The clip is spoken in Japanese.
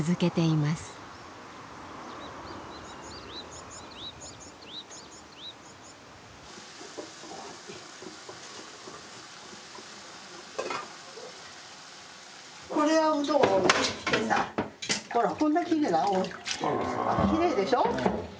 きれいでしょ。